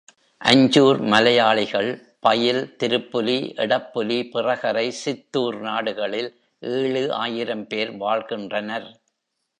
அஞ்சூர் மலையாளிகள் பயில், திருப்புலி, எடப்புலி, பிறகரை, சித்தூர் நாடுகளில் ஏழு ஆயிரம் பேர் வாழ்கின்றனர்.